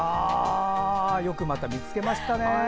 よく見つけましたね。